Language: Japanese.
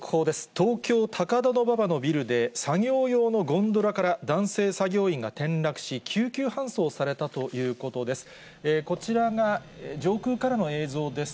東京・高田馬場のビルで、作業用のゴンドラから男性作業員が転落し、救急搬送されたということです。